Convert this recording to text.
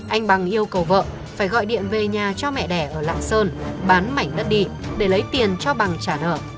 anh bằng yêu cầu vợ phải gọi điện về nhà cho mẹ đẻ ở lạng sơn bán mảnh đất đi để lấy tiền cho bằng trả nợ